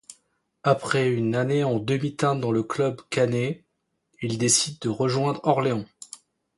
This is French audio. Après une année en demi-teinte dans le club Caennais, il décide de rejoindre Orléans.